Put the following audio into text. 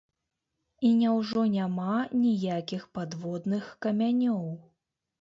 І няўжо няма ніякіх падводных камянёў?